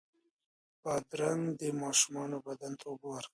بادرنګ د ماشومانو بدن ته اوبه ورکوي.